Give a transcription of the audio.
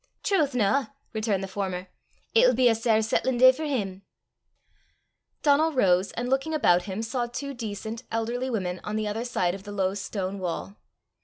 "Trowth, na!" returned the former; "it'll be a sair sattlin day for him!" Donal rose, and looking about him, saw two decent, elderly women on the other side of the low stone wall.